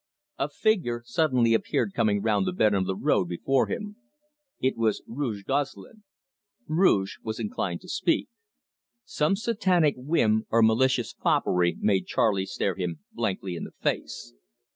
A figure suddenly appeared coming round the bend of the road before him. It was Rouge Gosselin. Rouge Gosselin was inclined to speak. Some satanic whim or malicious foppery made Charley stare him blankly in the face.